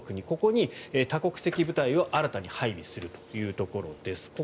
ここに多国籍部隊を新たに配備するというところです。